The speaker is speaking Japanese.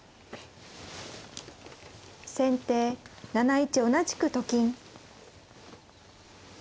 先手７一同じくと金。